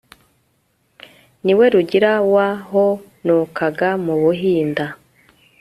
ni we rugira wahonokaga mu buhinda